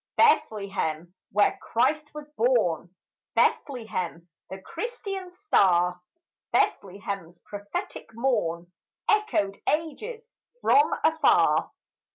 Bethlehem, where Christ was born, Bethlehem, the Christian's star! Bethlehem's prophetic morn Echoed ages from afar.